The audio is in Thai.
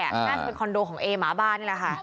น่าจะเป็นคอนโดของเอหมาบ้านนี่แหละค่ะ